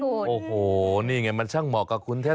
โอ้โหนี่ไงมันช่างเหมาะกับคุณเทศ